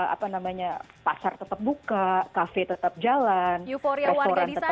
apa namanya pasar tetap buka kafe tetap jalan restoran tetap